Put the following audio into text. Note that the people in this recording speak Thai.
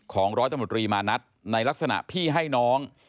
ของรตมริมานัทในลักษณะพี่ให้น้อง